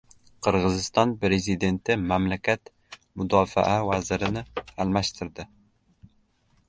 Qirg‘iziston prezidenti mamlakat mudofaa vazirini almashtirdi